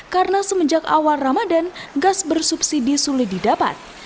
karena semenjak awal ramadan gas bersubsidi sulit didapat